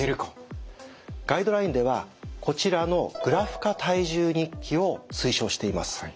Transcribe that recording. ガイドラインではこちらのグラフ化体重日記を推奨しています。